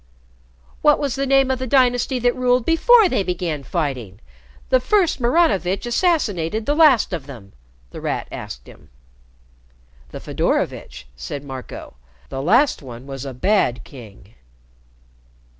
"What was the name of the dynasty that ruled before they began fighting? The first Maranovitch assassinated the last of them," The Rat asked him. "The Fedorovitch," said Marco. "The last one was a bad king."